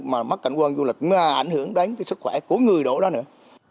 mà mắc cảnh quân du lịch mà ảnh hưởng đến cái sức khỏe của người đổ đó nữa